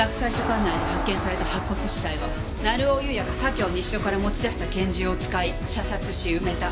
管内で発見された白骨死体は成尾優也が左京西署から持ち出した拳銃を使い射殺し埋めた。